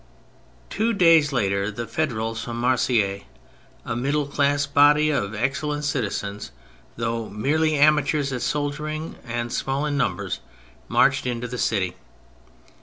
Two days later the Federals from Marseilles, a middle class body of excellent citizens, though merely amateurs at soldiering and small in numbers, marched into the city.